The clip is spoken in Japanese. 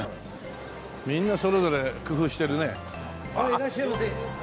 いらっしゃいませ。